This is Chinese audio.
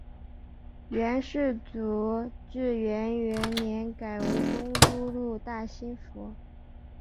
元世祖至元元年改为中都路大兴府。